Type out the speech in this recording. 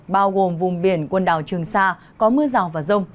bao gồm vùng biển quần đảo trường sa có mưa rào và rông